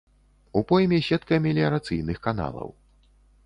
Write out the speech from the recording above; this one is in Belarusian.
У пойме сетка меліярацыйных каналаў.